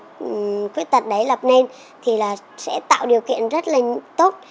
những người khuyết tật đấy lập nên thì là sẽ tạo điều kiện rất là tốt